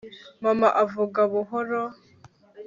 mama avuga buhoro